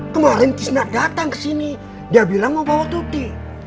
kemarin datang ke sini dia bilang mau bawa tuti